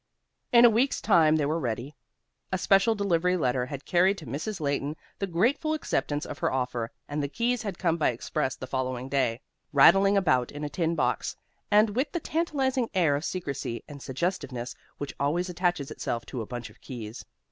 In a week's time they were ready. A special delivery letter had carried to Mrs. Leighton the grateful acceptance of her offer, and the keys had come by express the following day, rattling about in a tin box, and with the tantalizing air of secrecy and suggestiveness which always attaches itself to a bunch of keys.